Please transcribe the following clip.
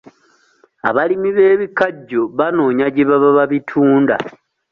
Abalimi b'ebikajjo banoonya gye baba babitunda.